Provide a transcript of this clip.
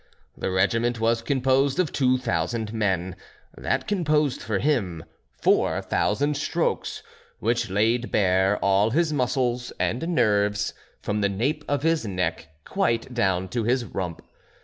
The regiment was composed of two thousand men; that composed for him four thousand strokes, which laid bare all his muscles and nerves, from the nape of his neck quite down to his rump.